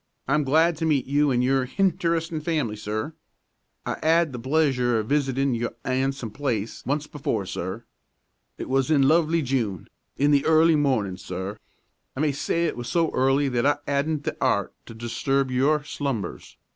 I'm glad to meet you an' your hinteresting family, sir. I 'ad the pleasure o' visitin' your 'andsome place once before, sir. It was in lovely June, in the early mornin', sir. I may say it was so early that I 'adn't the 'eart to disturb your slumbers.